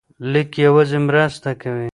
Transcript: لیک یوازې مرسته کوي.